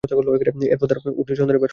এরপর তারা উটনীর সন্ধানে বের হয়।